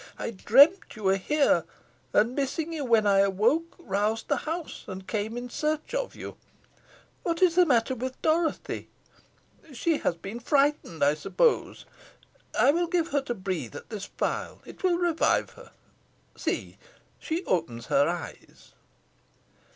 I dreamed you were here, and missing you when I awoke, roused the house and came in search of you. What is the matter with Dorothy? She has been frightened, I suppose. I will give her to breathe at this phial. It will revive her. See, she opens her eyes."